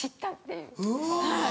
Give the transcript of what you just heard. うわ。